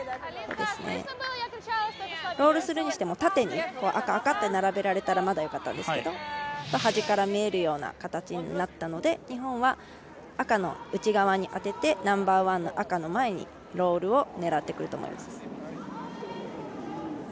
ロールするにしても縦に赤、赤って並べられたらまだよかったですけど端から見えるような形になったので日本は赤の内側に当ててナンバーワンの赤の前にロールを狙ってくると思います。